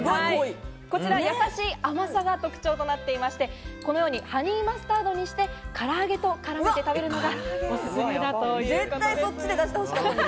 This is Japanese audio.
やさしい甘さが特徴となっていまして、ハニーマスタードにして、から揚げと絡めて食べるのがおすすめだということです。